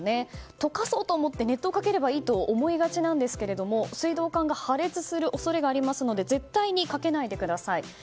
溶かそうと思って熱湯をかければいいと思いがちですが水道管が破裂する恐れがありますので絶対にかけないでください。